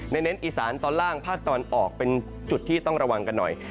เน้นอีสานตอนล่างภาคตะวันออกเป็นจุดที่ต้องระวังกันหน่อย